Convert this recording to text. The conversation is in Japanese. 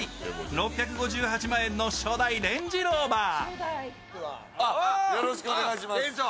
６５８万円の初代レンジローバー。